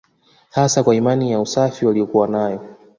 Hasa kwa imani ya usafi waliyokuwa nayo